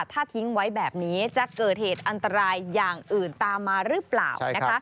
ถ้าทิ้งไว้แบบนี้จะเกิดเหตุอันตรายอย่างอื่นตามมาหรือเปล่า